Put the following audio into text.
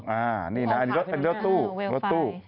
อันนี้นะรถตู้